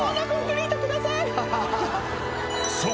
［そう。